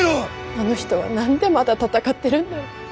あの人は何でまだ戦ってるんだい。